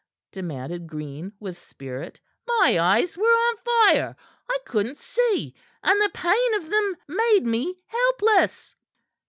demanded Green with spirit. "My eyes were on fire. I couldn't see, and the pain of them made me helpless."